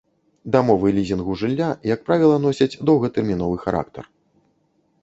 Дамовы лізінгу жылля, як правіла носяць доўгатэрміновы характар.